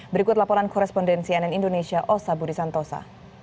berikut laporan korespondensi ann indonesia ossa burisantosa